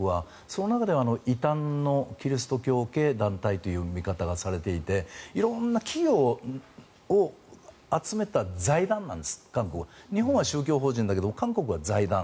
その中では異端のキリスト教系団体という見方がされていて色んな企業を集めた財団なんです日本は宗教法人だけど韓国は財団。